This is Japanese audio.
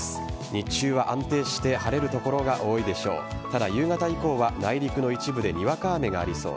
日中は安定して晴れる所が多いでしょう。